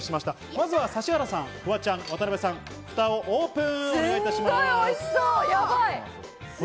まずは指原さん、フワちゃん、渡邊さん、蓋をオープン。